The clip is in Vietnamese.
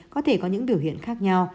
có thể có những biểu hiện khác nhau